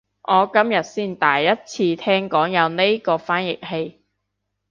我今日先第一次聽講有呢個翻譯器